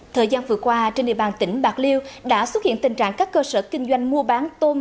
thời gian vừa qua trên địa bàn tỉnh bạc liêu đã xuất hiện tình trạng các cơ sở kinh doanh mua bán tôm